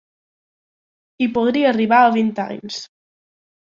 I podria arribar a vint anys.